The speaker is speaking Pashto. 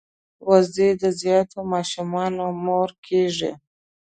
وزې د زیاتو ماشومانو مور کیږي